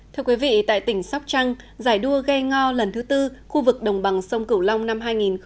thưa quý vị tại tỉnh sóc trăng giải đua ghe ngò lần thứ tư khu vực đồng bằng sông cửu long năm hai nghìn một mươi chín